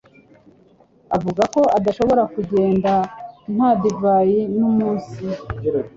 Avuga ko adashobora kugenda nta divayi n'umunsi.